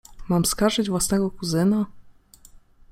Mam skarżyć własnego kuzyna?